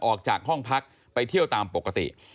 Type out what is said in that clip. ออกจากห้องพักไปเที่ยวตามปกติ